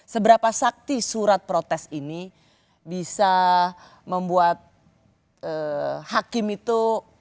seberapa sakti surat protes ini bisa membuat hakim itu